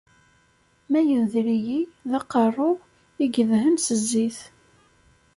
Ma yender-iyi, d aqerru-w i yedhen s zzit.